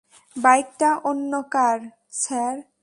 বাইকটা অন্য কার, স্যার।